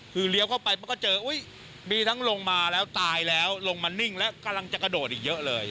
คือเลี้ยวเข้าไปมันก็เจออุ๊ยมีทั้งลงมาแล้วตายแล้วลงมานิ่งแล้วกำลังจะกระโดดอีกเยอะเลย